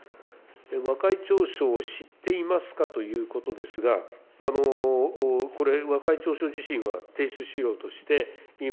和解調書を知っていますかということですが、これ、和解調書自身は提出資料として今、